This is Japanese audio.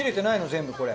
全部これ。